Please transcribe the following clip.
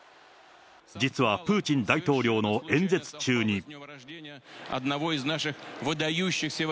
実はプーチン大統領の演説中に。